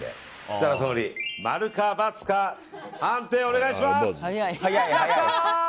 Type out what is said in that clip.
設楽総理、○か×か判定をお願いします。